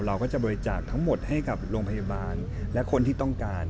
เราก็จะบริจาคทั้งหมดให้กับโรงพยาบาลและคนที่ต้องการ